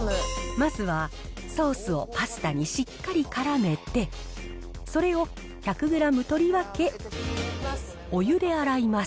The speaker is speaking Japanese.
まずはソースをパスタにしっかりからめて、それを１００グラム取り分け、お湯で洗います。